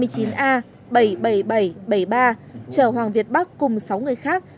chở hoàng việt bắc cùng sáu người khác